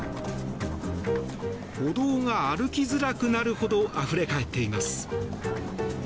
歩道が歩きづらくなるほどあふれ返っています。